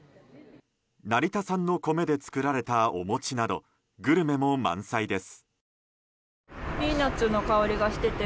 成田産の米で作られたお餅などグルメも満載です。